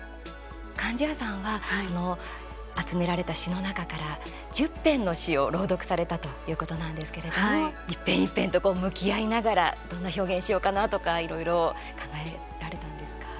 貫地谷さんは集められた詩の中から１０編の詩を朗読されたということなんですけれども一編一編と向き合いながらどんな表現しようかなとかいろいろ考えられたんですか？